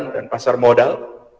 dan pasar modal